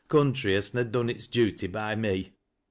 Th' country has na dc i.c its duty by me.